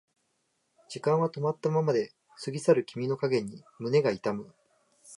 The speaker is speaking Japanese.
時間は止まったままで過ぎ去る君の影に胸が痛む